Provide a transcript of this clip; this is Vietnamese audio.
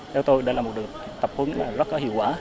theo tôi đây là một đợt tập huấn rất có hiệu quả